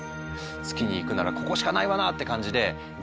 「月に行くならここしかないわな！」って感じでリ